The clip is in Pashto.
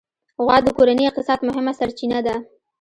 غوا د کورني اقتصاد مهمه سرچینه ده.